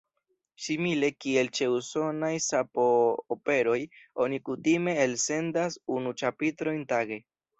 Simile kiel ĉe usonaj sapo-operoj oni kutime elsendas unu ĉapitrojn tage.